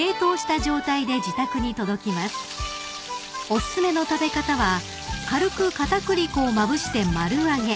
［お薦めの食べ方は軽くかたくり粉をまぶして丸揚げ］